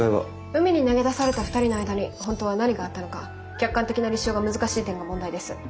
海に投げ出された２人の間に本当は何があったのか客観的な立証が難しい点が問題です。